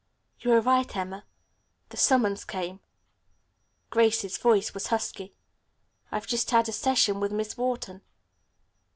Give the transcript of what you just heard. "You were right, Emma. The summons came." Grace's voice was husky. "I've just had a session with Miss Wharton."